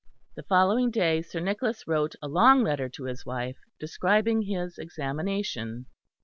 The following day Sir Nicholas wrote a long letter to his wife describing his examination.